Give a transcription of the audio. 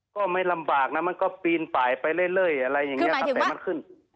ก็ไม่ลำบากนะมันก็ปีนป่ายไปเรื่อยอะไรอย่างนี้ครับแต่มันขึ้น